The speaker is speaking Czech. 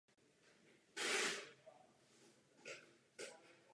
Je dostupný i jako aplikace pro Android.